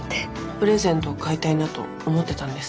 プレゼント買いたいなと思ってたんです。